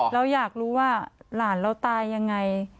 เราอยากรู้ว่าหลานเราตายยังไง